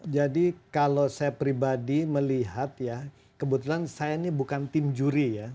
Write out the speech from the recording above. jadi kalau saya pribadi melihat ya kebetulan saya ini bukan tim juri ya